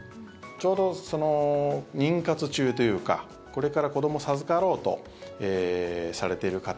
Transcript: ちょうど妊活中というかこれから子どもを授かろうとされている方。